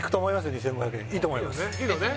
２５００円いいと思いますいいのね？